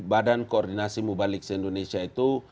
badan koordinasi mubalik se indonesia itu